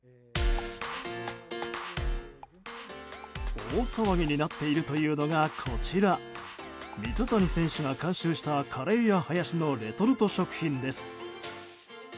大騒ぎになっているというのがこちら水谷選手が監修したカレーやハヤシのレトルト食品です。